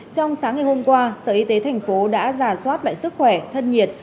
trong sáng ngày hôm qua sở y tế tp đã giả soát lại sức khỏe thân nhiệt